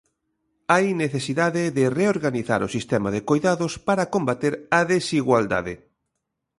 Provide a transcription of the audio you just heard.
Hai necesidade de reorganizar o sistema de coidados para combater a desigualdade.